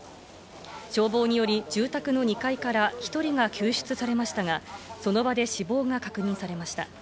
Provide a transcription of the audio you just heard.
消防により住宅の２階から１人が救出されましたがその場で死亡が確認されました。